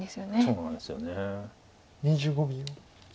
そうなんですよね。